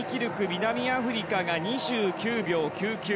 南アフリカが２９秒９９。